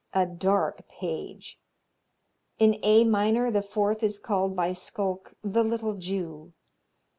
A dark page! In A minor the fourth is called by Szulc the Little Jew.